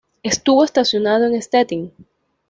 Estuvo estacionado en Stettin.